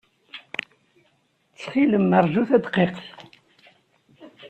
Ttxil-m, ṛju tadqiqt.